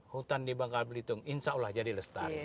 hutan di bangka belitung insya allah jadi lestari